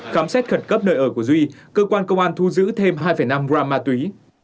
khám xét khẩn cấp nơi ở của duy cơ quan công an thu giữ thêm hai năm gram ma túy